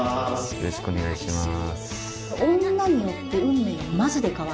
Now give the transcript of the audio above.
よろしくお願いします。